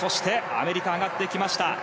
アメリカ上がってきました。